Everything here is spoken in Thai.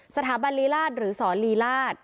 สถาบันลีราชหรือสอนลีราช